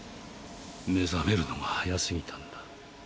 目覚めるのが早すぎたんだ。